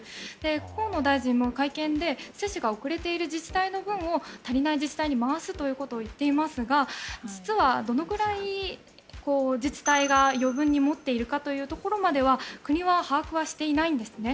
河野大臣も会見で接種が遅れている自治体の分を足りない自治体に回すということを言っていますが実は、どのぐらい自治体が余分に持っているかというところまでは国は把握はしていないんですね。